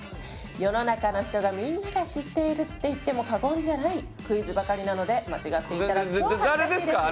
世の中の人がみんなが知っているって言っても過言じゃないクイズばかりなので間違っていたら超恥ずかしいですよ。